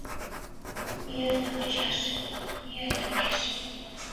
Йӧсӧ вучаш, йӧсӧ пеш...